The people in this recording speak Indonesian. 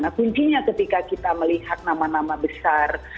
nah kuncinya ketika kita melihat nama nama besar